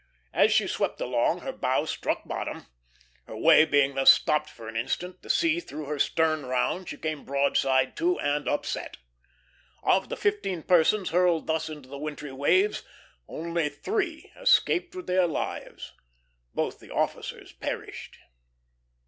As she swept along, her bow struck bottom. Her way being thus stopped for an instant, the sea threw her stern round; she came broadside to and upset. Of the fifteen persons hurled thus into the wintry waves, only three escaped with their lives. Both the officers perished.